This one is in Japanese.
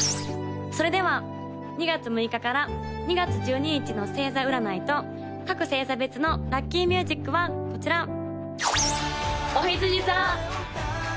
それでは２月６日から２月１２日の星座占いと各星座別のラッキーミュージックはこちら！